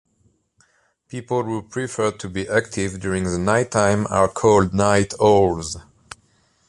People who prefer to be active during the night-time are called night owls.